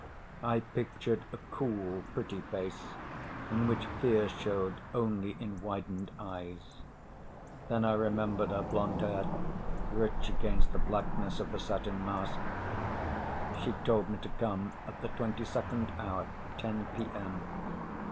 I pictured a cool, pretty face in which fear showed only in widened eyes. Then I remembered her blonde hair, rich against the blackness of the satin mask. She'd told me to come at the twenty second hour ten p.m.